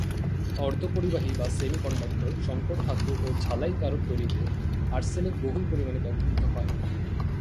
অর্ধপরিবাহী বা সেমিকন্ডাক্টর, শংকর ধাতু ও ঝালাইকারক তৈরিতে আর্সেনিক বহুল পরিমাণে ব্যবহূত হয়।